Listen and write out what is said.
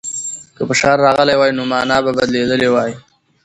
که فشار راغلی وای، نو مانا به بدلېدلې وای.